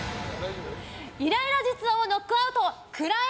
イライラ実話をノックアウトくらえ！